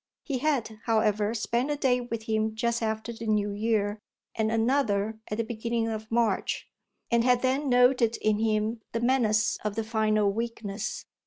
He had, however, spent a day with him just after the New Year and another at the beginning of March, and had then noted in him the menace of the final weakness.